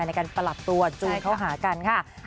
ในการปรับตัวจูนเข้าหากันค่ะ